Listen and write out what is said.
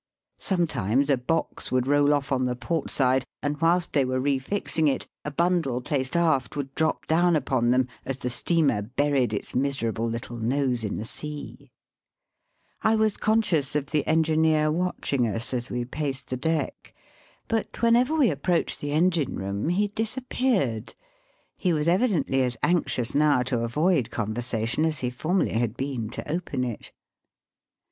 Sometimes a box would roll off on the port side, and whilst they were re fixing it, a bundle placed aft would drop down upon them as the steamer buried its miserable little nose in the sea* I was conscious of the engineer watching us as we paced the deck, but whenever we approached the engine room he disappeared. He was evidently as anxious now to avoid conversation as he formerly had been to open it.